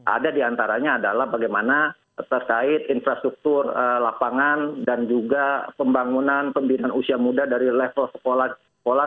ada diantaranya adalah bagaimana terkait infrastruktur lapangan dan juga pembangunan pembinaan usia muda dari level sekolah